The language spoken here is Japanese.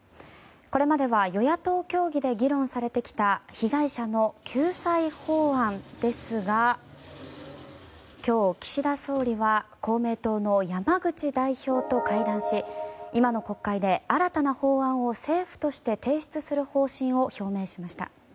これまでは与野党協議で議論されてきた被害者の救済法案ですが今日、岸田総理は公明党の山口代表と会談し今の国会で新たな法案を政府として提出する方針を表明しました。